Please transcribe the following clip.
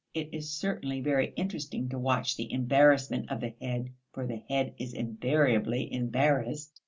It is certainly very interesting to watch the embarrassment of the head (for the head is invariably embarrassed).